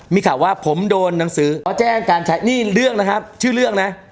มีข่าวว่าผมโดนหนังสืออ๋อแจ้งการใช้นี่เรื่องนะครับชื่อเรื่องนะ